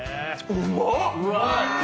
うまっ！